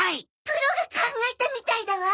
プロが考えたみたいだわ。